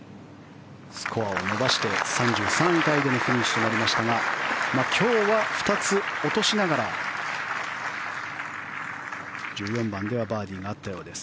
スコアを伸ばして３３位タイでのフィニッシュとなりましたが今日は２つ落としながら１４番ではバーディーがあったようです。